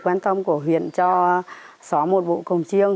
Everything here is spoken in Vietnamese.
sự quan tâm của huyện cho xóa một bộ cổng chiêng